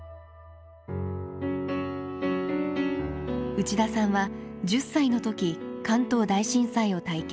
内田さんは１０歳の時関東大震災を体験。